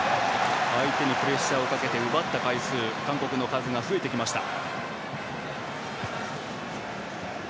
相手にプレッシャーをかけて奪った回数韓国の数が増えてきました。